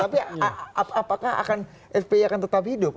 tapi apakah akan fpi akan tetap hidup